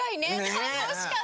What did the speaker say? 楽しかった！